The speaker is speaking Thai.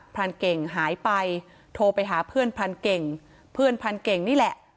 พรานเก่งหายไปโทรไปหาเพื่อนพรานเก่งเพื่อนพรานเก่งนี่แหละ